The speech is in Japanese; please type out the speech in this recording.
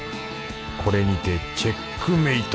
これにてチェックメイト